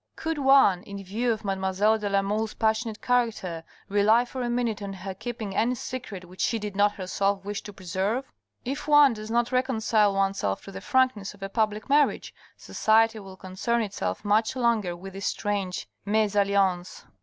Could one, in view of Mdlle. de la Mole's passionate character, rely for a minute on her keeping any secret which she did not herself wish to preserve ? If one does not reconcile oneself to the frankness of a public marriage, society will concern itself much longer with this strange mesalliance.